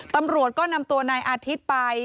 ตำรวจก็นำตัวนายอาทิตย์ไป